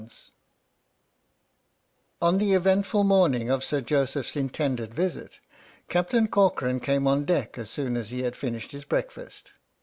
"PINAFORE" On the eventful morning of Sir Joseph's intended visit, Captain Corcoran came on deck as soon as he had finished his breakfast.